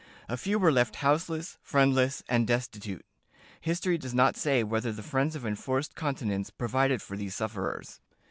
A few were left houseless, friendless, and destitute. History does not say whether the friends of enforced continence provided for these sufferers.